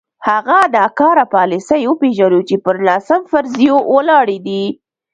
هغه ناکاره پالیسۍ وپېژنو چې پر ناسم فرضیو ولاړې دي.